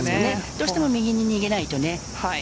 どうしても右に逃げないとね。